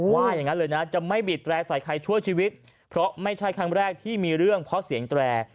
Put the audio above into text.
ว่าอย่างนั้นเลยนะจะไม่บีดแตร่ใส่ใครช่วยชีวิตเพราะไม่ใช่ครั้งแรกที่มีเรื่องเพราะเสียงแตร